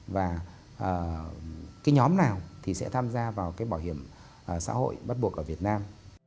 và cái nhóm nào thì sẽ tham gia vào cái bảo hiểm xã hội bắt buộc ở việt nam